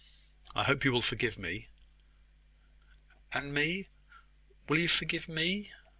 I hope you will forgive me." "And me! Will you forgive me?"